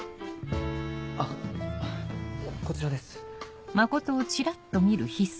あっこちらです。